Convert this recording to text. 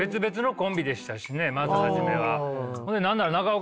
まず初めは。